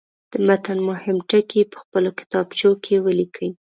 د متن مهم ټکي په خپلو کتابچو کې ولیکئ.